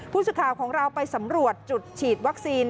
ผู้สื่อข่าวของเราไปสำรวจจุดฉีดวัคซีน